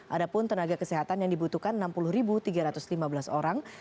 ada pun tenaga kesehatan yang dibutuhkan enam puluh tiga ratus lima belas orang